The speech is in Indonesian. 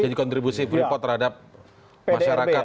kontribusi freeport terhadap masyarakat